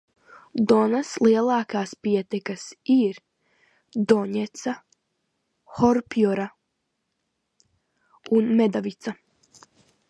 Donas lielākās pietekas ir Doņeca, Hopjora un Medvedica.